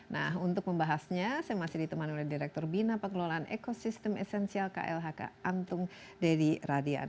nah untuk membahasnya saya masih ditemani oleh direktur bina pengelolaan ekosistem esensial klhk antung deddy radian